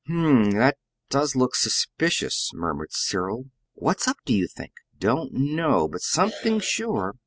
"Hm m; that does look suspicious," murmured Cyril. "What's up, do you think?" "Don't know; but something, sure.